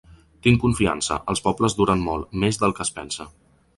Tinc confiança: els pobles duren molt, més del que es pensa.